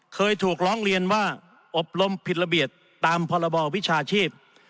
เคยถูกร้องเรียนว่าอบรมผิดระเบียบตามพรบวิชาชีพ